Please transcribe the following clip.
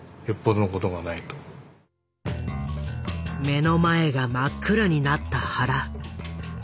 目の前が真っ暗になった原。